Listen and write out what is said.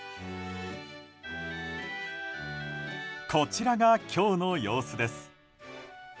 こちらが今日の様子です。